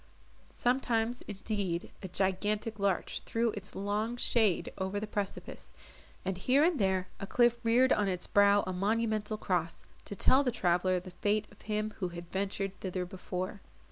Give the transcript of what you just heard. Sometimes, indeed, a gigantic larch threw its long shade over the precipice, and here and there a cliff reared on its brow a monumental cross, to tell the traveller the fate of him who had ventured thither before.